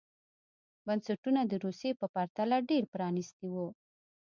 بنسټونه د روسیې په پرتله ډېر پرانېستي وو.